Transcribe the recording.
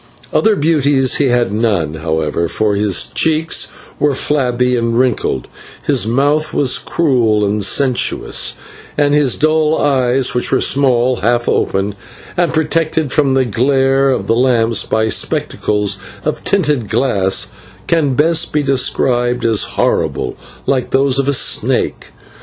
Other beauties he had none, however, for his cheeks were flabby and wrinkled, his mouth was cruel and sensuous; and his dull eyes, which were small, half opened, and protected from the glare of the lamps by spectacles of tinted glass, can best be described as horrible, like those of a snake.